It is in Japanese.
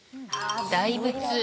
大仏。